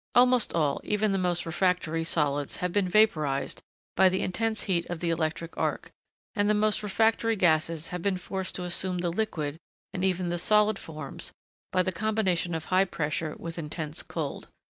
Almost all, even the most refractory, solids have been vaporised by the intense heat of the electric arc; and the most refractory gases have been forced to assume the liquid, and even the solid, forms by the combination of high pressure with intense cold.